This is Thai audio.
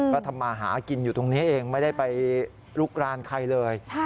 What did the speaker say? ก็ทำมาหากินอยู่ตรงนี้เองไม่ได้ไปลุกรานใครเลย